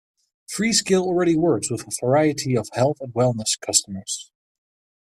Freescale already works with a variety of health and wellness customers.